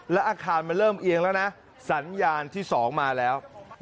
แล้วอาคารมันเริ่มเอียงแล้วนะสัญญาณที่๒มาแล้ว